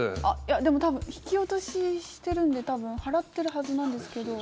でも、多分引き落とししてるんで多分払ってるはずなんですけど。